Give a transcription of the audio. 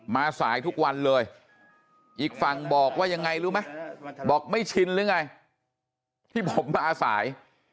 มาสายทุกวันเลยอีกฝั่งบอกว่ายังไงรู้ไหมบอกไม่ชินหรือไงที่ผมมาสาย